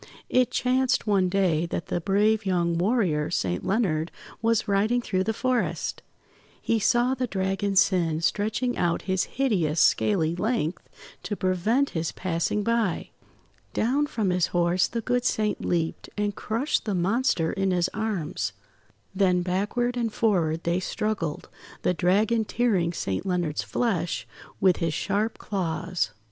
It chanced one day that the brave young warrior, Saint Leonard, was riding through the forest. He saw the Dragon Sin stretching out his hideous scaly length to prevent his passing by. Down from his horse the good Saint leaped, and crushed the monster in his arms. Then backward and forward they struggled, the Dragon tearing Saint Leonard's flesh with his sharp claws.